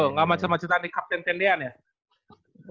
nggak macet macetan di captain tendian ya